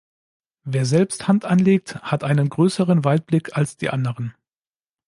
Wer selbst Hand anlegt, hat einen größeren Weitblick als die anderen.